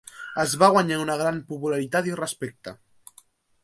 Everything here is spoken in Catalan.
Es va guanyar una gran popularitat i respecte.